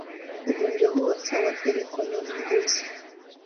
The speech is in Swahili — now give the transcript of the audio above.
Ugonjwa huu hasa huathiri kondoo na mbuzi